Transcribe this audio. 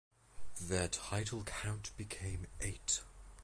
Their title count became eight.